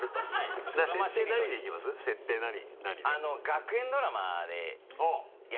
学園ドラマか。